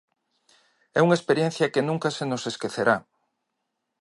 E unha experiencia que nunca se nos esquecerá.